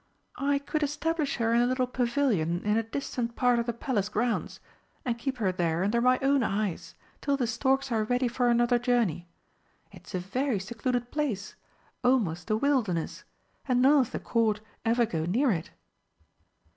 I could establish her in a little pavilion in a distant part of the palace grounds and keep her there, under my own eyes, till the storks are ready for another journey. It's a very secluded place almost a wilderness and none of the Court ever go near it."